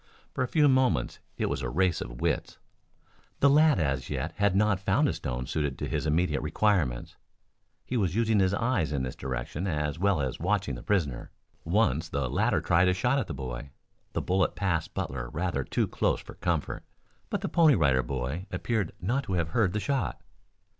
For a few moments it was a race of wits. The lad as yet had not found a stone suited to his immediate requirements. He was using his eyes in this direction as well as watching the prisoner. Once the latter tried a shot at the boy. The bullet passed Butler rather too close for comfort, but the Pony Rider Boy appeared not to have heard the shot.